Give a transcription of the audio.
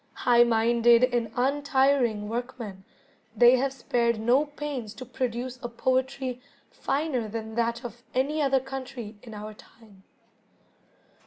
High minded and untiring workmen, they have spared no pains to produce a poetry finer than that of any other country in our time.